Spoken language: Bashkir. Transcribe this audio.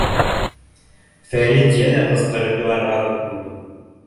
— Фәрит йәнә ҡысҡырып иларға тотондо.